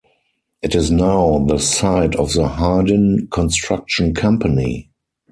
It is now the site of the Hardin Construction Company.